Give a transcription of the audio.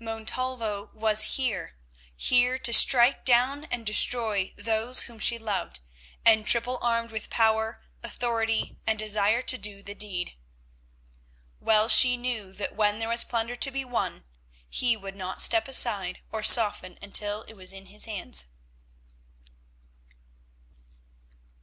Montalvo was here, here to strike down and destroy those whom she loved, and triple armed with power, authority, and desire to do the deed. Well she knew that when there was plunder to be won, he would not step aside or soften until it was in his hands.